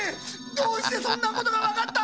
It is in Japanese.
どうしてそんなことがわかった！